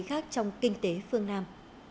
khác trong kinh tế phương nam